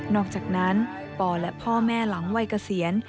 อกจากนั้นปและพ่อแม่หลังวัยเกษียณ